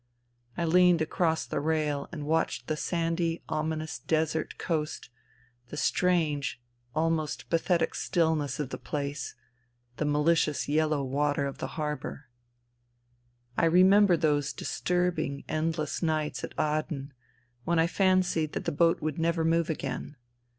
I leaned across the rail and watched the sandy, ^* ominous desert coast, the strange, almost pathetic stillness of the place, the malicious yellow water of the harbour. I remember those disturbing, endless nights at Aden, when I fancied that the boat would never move again.